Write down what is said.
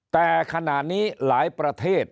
แต่ขณะนี้หลายประเทศ